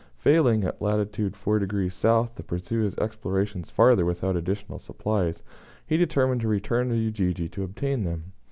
Failing at lat. 4 degrees S. to pursue his explorations further without additional supplies, he determined to return to Ujiji to obtain them.